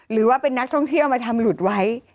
หรือว่าเป็นนักท่องเที่ยวมาทำหลุดไว้